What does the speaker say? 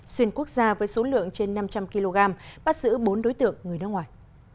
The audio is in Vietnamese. xuyên quốc gia với số lượng trên năm trăm linh kg bắt giữ bốn đối tượng người nước ngoài